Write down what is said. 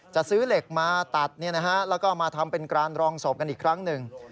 จะซื้อเหล็กมาตัดแล้วก็มาทำเป็นกรานรองศพกันอีกครั้งหนึ่ง